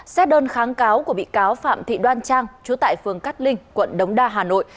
xét đơn kháng cáo của bị cáo phạm thị đoan trang chú tại phường cát linh quận đống đa hà nội